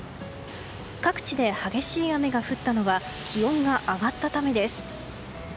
各地で激しい雨が降ったのは気温が上がったためです。